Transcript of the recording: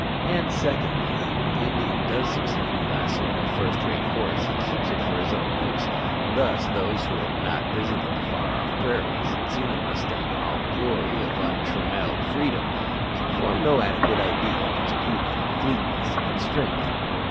And, secondly, when the Indian does succeed in lassoing a first rate horse he keeps it for his own use. Thus, those who have not visited the far off prairies and seen the mustang in all the glory of untrammelled freedom, can form no adequate idea of its beauty, fleetness, and strength.